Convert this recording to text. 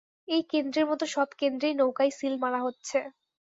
এই কেন্দ্রের মতো সব কেন্দ্রেই নৌকায় সিল মারা হচ্ছে।